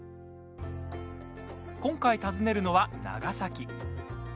今回訪ねるのは、長崎。